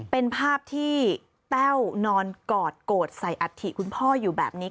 เป็นภาพที่แต้วนอนกอดโกรธใส่อัฐิคุณพ่ออยู่แบบนี้